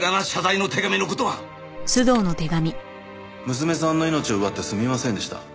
「娘さんの命を奪ってすみませんでした」